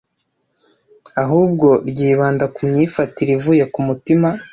Ahubwo ryibanda ku myifatire ivuye ku mutima